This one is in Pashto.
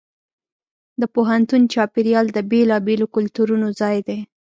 د پوهنتون چاپېریال د بېلابېلو کلتورونو ځای دی.